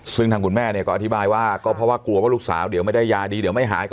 ซึ่งทางคุณแม่เนี่ยก็อธิบายว่าก็เพราะว่ากลัวว่าลูกสาวเดี๋ยวไม่ได้ยาดีเดี๋ยวไม่หาย